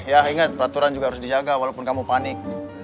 ya ingat peraturan juga harus dijaga walaupun kamu panik